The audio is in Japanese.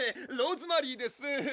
ローズマリーです